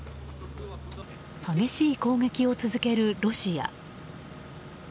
激しい攻撃を続けるロシア。